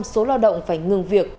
bảy mươi số loa động phải ngừng việc